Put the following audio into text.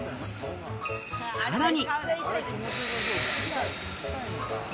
さらに。